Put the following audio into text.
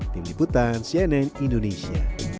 tim liputan cnn indonesia